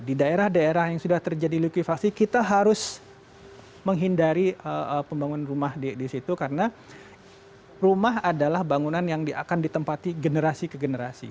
di daerah daerah yang sudah terjadi lukifasi kita harus menghindari pembangunan rumah di situ karena rumah adalah bangunan yang akan ditempati generasi ke generasi